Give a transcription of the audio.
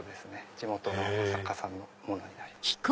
地元の作家さんのものになります。